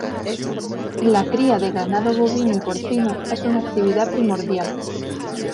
La cría de ganado bovino y porcino es una actividad primordial.